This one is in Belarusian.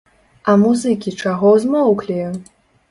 А музыкі чаго змоўклі?!.